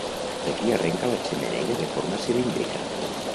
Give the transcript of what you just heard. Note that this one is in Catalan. D'aquí arrenca la xemeneia de forma cilíndrica.